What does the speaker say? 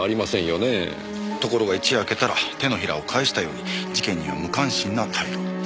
ところが一夜明けたら手のひらを返したように事件には無関心な態度。